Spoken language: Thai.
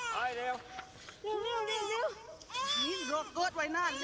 ป๊ามีเกี๊ยวป๊า